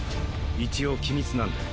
一応機密なんで。